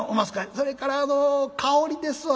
「それからあの香りですわ」。